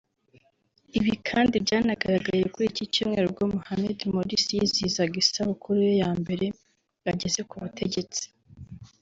Ibi kandi byanagaragaye kuri iki cyumweru ubwo Mohamed Morsi yizihizaga isabukuru ye ya mbere ageze ku butegetsi